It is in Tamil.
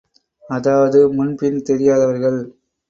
அதாவது முன்பின் தெரியாதவர்கள்.